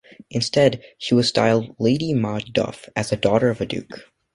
Instead she was styled "Lady Maud Duff", as the daughter of a duke.